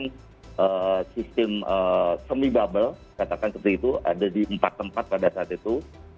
kemudian sistem semi bubble katakan seperti itu ada di empat tempat pada saat itu